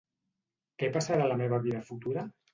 Què passarà a la meva vida futura?